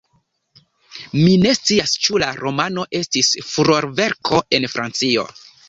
Mi ne scias, ĉu la romano estis furorverko en Francio.